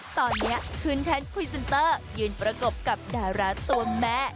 ตอนนี้ขึ้นแทนพรีเซนเตอร์ยืนประกบกับดาราตัวแม่